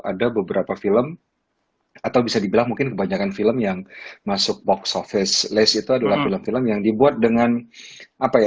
ada beberapa film atau bisa dibilang mungkin kebanyakan film yang masuk box office lace itu adalah film film yang dibuat dengan apa ya